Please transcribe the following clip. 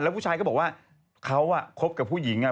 แล้วผู้ชายก็บอกว่าเขาอ่ะควบกับผู้หญิงอ่ะ